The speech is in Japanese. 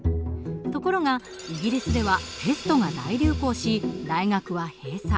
ところがイギリスではペストが大流行し大学は閉鎖。